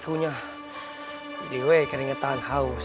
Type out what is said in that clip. jadi saya keringetan